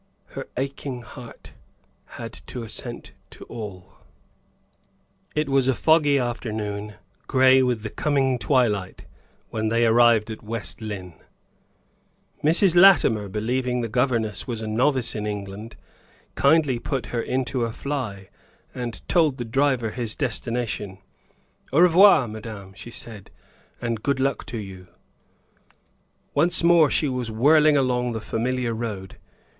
Her aching heart had to assent to all. It was a foggy afternoon, gray with the coming twilight, when they arrived at West Lynne. Mrs. Latimer believing the governess was a novice in England, kindly put her into a fly, and told the driver his destination. "Au revoir, madame," she said, "and good luck to you." Once more she was whirling along the familiar road.